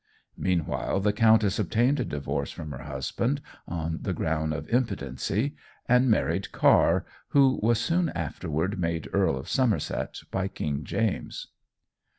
Meanwhile, the countess obtained a divorce from her husband on the ground of impotency, and married Carr, who was soon after made Earl of Somerset by King James.